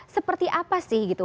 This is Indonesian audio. seperti apa sih gitu